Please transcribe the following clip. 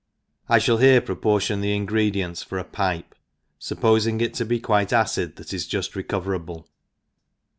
— I fhall llerc proportion the ingrcdints for a pipe ; fup ^fing it to be quite acid, that is juft recoverable.